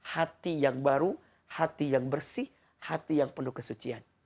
hati yang baru hati yang bersih hati yang penuh kesucian